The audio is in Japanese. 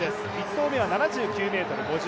１投目は７９ｍ５５。